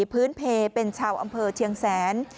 พื้นเพลเป็นชาวอำเภอเชียงแสน